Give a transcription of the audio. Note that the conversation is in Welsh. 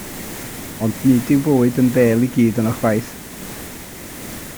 Ond nid yw bywyd yn fêl i gyd yno ychwaith.